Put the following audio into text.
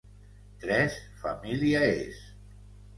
Tres, família és.